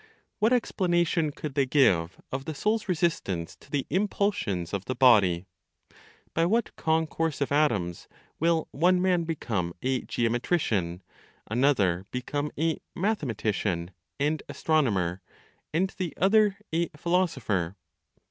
What explanation could they give of the soul's resistance to the impulsions of the body? By what concourse of atoms will one man become a geometrician, another become a mathematician and astronomer, and the other a philosopher?